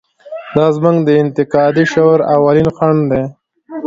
دا زموږ د انتقادي شعور اولین خنډ دی.